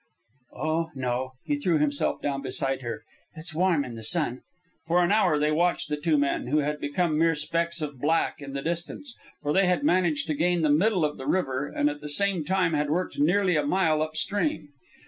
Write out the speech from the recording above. "Oh, no." He threw himself down beside her. "It's warm in the sun." For an hour they watched the two men, who had become mere specks of black in the distance; for they had managed to gain the middle of the river and at the same time had worked nearly a mile up stream.